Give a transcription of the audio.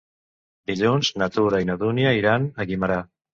Dilluns na Tura i na Dúnia iran a Guimerà.